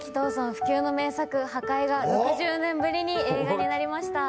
不朽の名作『破戒』が６０年ぶりに映画になりました。